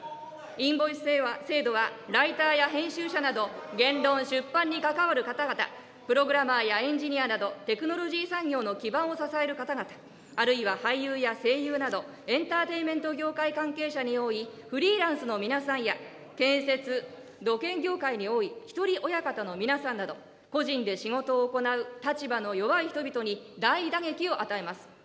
インボイス制度は、ライターや編集者など、言論、出版に関わる方々、プログラマーやエンジニアなど、テクノロジー産業の基盤を支える方々、あるいは俳優や声優など、エンターテイメント業界関係者に多いフリーランスの皆さんや、建設・土建業界に多い一人親方の皆さんなど、個人で仕事を行う立場の弱い人々に、大打撃を与えます。